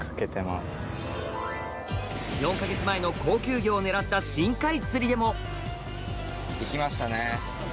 ４か月前の高級魚を狙った深海釣りでもいきましたね。